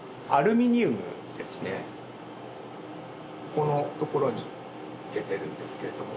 このところに出てるんですけれども。